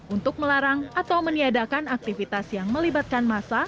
untuk melarang atau meniadakan aktivitas yang melibatkan masa